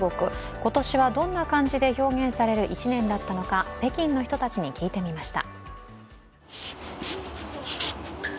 今年はどんな漢字で表現される１年だったのか北京の人たちに聞いてみました。